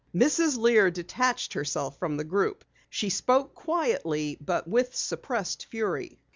Mrs. Lear detached herself from the group. She spoke quietly but with suppressed fury.